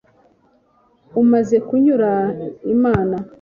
umaze kunyura imana